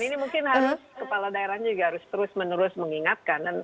ini mungkin harus kepala daerahnya juga harus terus menerus mengingatkan